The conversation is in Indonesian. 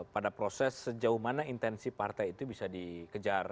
pada proses sejauh mana intensi partai itu bisa dikejar